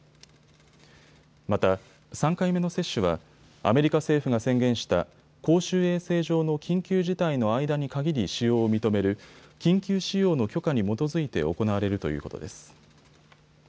また３回目の接種はアメリカ政府が宣言した公衆衛生上の緊急事態の間にかぎり使用を認める緊急使用の許可に基づいて行われるということです。